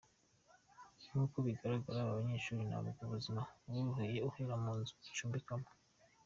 Nk’uko bigaragara aba banyeshuri ntabwo ubuzima buboroheye uhereye ku nzu bacumbikamo.